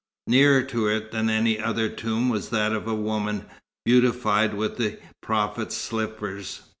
Nearer to it than any other tomb was that of a woman, beautified with the Prophet's slippers.